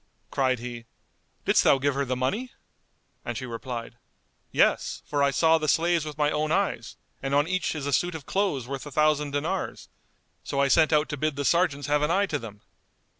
Cried he, "Didst thou give her the money?" And she replied, "Yes; for I saw the slaves with my own eyes, and on each is a suit of clothes worth a thousand dinars; so I sent out to bid the sergeants have an eye to them."